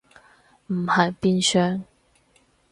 唔係變上？